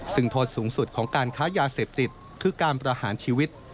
ซึ่งโทษสูงสุดของการค้ายาเสพติดคือการประหารชีวิต